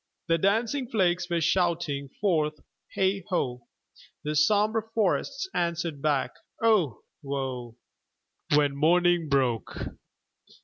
The dancing flakes were shouting forth "Heigh ho;" The sombre forests answered back, "Oh, woe!" When morning broke.